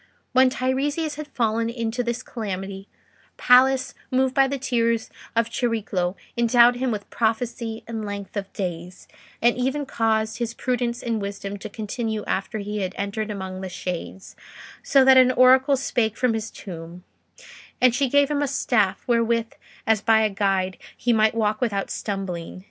When Teiresias had fallen into this calamity, Pallas, moved by the tears of Chariclo, endowed him with prophecy and length of days, and even caused his prudence and wisdom to continue after he had entered among the shades, so that an oracle spake from his tomb: and she gave him a staff, wherewith, as by a guide, he might walk without stumbling...